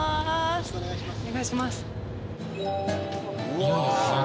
よろしくお願いします